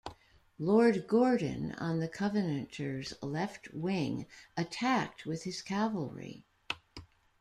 Lord Gordon on the Covenanters left wing attacked with his cavalry.